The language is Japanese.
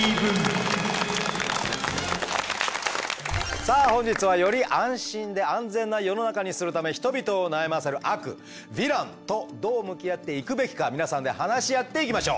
さあ本日はより安心で安全な世の中にするため人々を悩ませる悪ヴィランとどう向き合っていくべきか皆さんで話し合っていきましょう。